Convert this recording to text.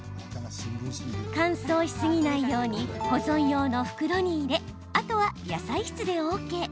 乾燥しすぎないように保存用の袋に入れあとは野菜室でＯＫ。